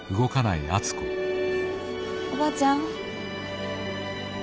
おばあちゃん。